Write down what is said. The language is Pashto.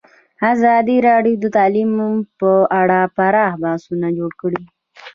ازادي راډیو د تعلیم په اړه پراخ بحثونه جوړ کړي.